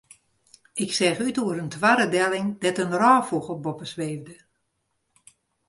Ik seach út oer in toarre delling dêr't in rôffûgel boppe sweefde.